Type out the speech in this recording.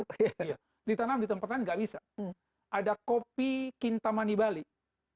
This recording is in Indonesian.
iya ditanam di tempat lain nggak bisa ada kopi kintamani bali